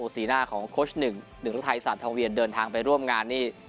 สีหน้าของโค้ชหนึ่งหนึ่งรุทัยสารทองเวียนเดินทางไปร่วมงานนี่